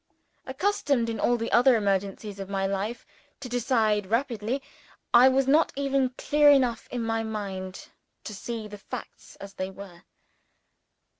Accustomed in all the other emergencies of my life, to decide rapidly, I was not even clear enough in my mind to see the facts as they were.